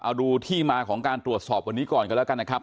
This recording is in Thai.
เอาดูที่มาของการตรวจสอบวันนี้ก่อนกันแล้วกันนะครับ